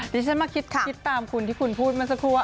ดิฉันมาคิดตามคุณที่คุณพูดเมื่อสักครู่ว่า